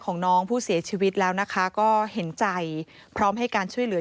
ของน้องผู้เสียชีวิตแล้วนะคะก็เห็นใจพร้อมให้การช่วยเหลือ